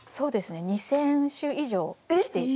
２，０００首以上来ていて。